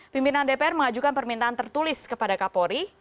pimpinan dpr mengajukan permintaan tertulis kepada kapolri